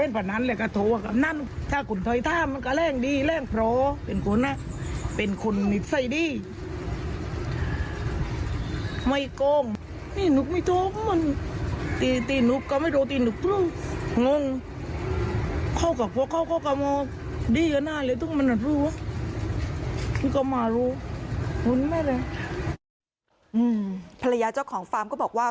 ภรรยาเจ้าของฟาร์มก็บอกว่า